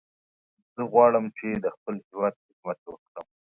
زه غواړم چې د خپل هیواد خدمت وکړم.